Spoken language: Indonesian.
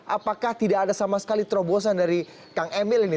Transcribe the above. apakah tidak ada sama sekali terobosan dari kang emil ini